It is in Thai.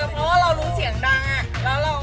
พี่ก็ต้องเข้าใจที่สิ่งของระเทียบและทุกคน